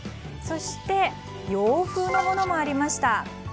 そして、洋風のものもありました。